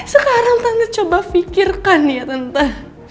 sekarang tante coba pikirkan ya tentang